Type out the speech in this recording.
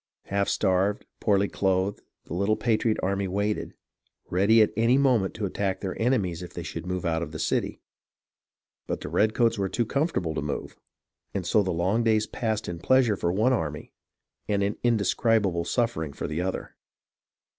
Half starved, poorly clothed, the little patriot army waited, ready at any moment to attack their enemies if they should move out from the city. But the redcoats were too comfortable to move, and so the long days passed in pleasure for one army, and in indescribable suffering for the other.